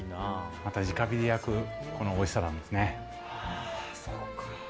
直火で焼くおいしさなんですね。